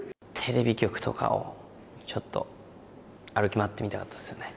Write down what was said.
テレビ局とかをちょっと歩き回ってみたかったですよね。